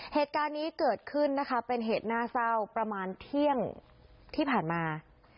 เหตุการณ์นี้เกิดขึ้นนะคะเป็นเหตุน่าเศร้าประมาณเที่ยงที่ผ่านมา